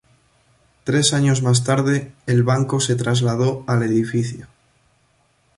Tres años más tarde el banco se trasladó al edificio.